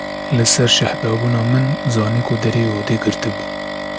Li ser şehdebûna min zanî ko deriyê odê girtî bû.